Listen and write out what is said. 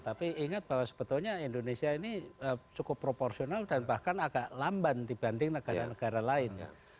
tapi ingat bahwa sebetulnya indonesia ini cukup proporsional dan bahkan agak lamban dibanding negara negara lain